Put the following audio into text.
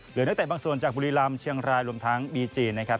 นักเตะบางส่วนจากบุรีรำเชียงรายรวมทั้งบีจีนนะครับ